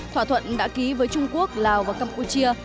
thỏa thuận đã ký với trung quốc lào và campuchia